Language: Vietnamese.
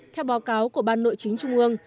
theo báo cáo của ban nội chính trung ương